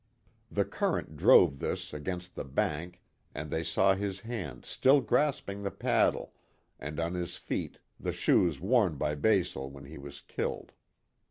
The current drove this against the bank and they saw his hand still grasping the paddle and on his feet the shoes worn by Basil when he was killed.